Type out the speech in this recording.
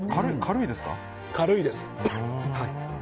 軽いです。